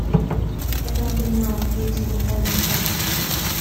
Это он понимал и этим был вполне счастлив.